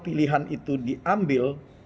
pilihan itu diambil